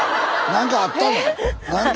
何かあったの？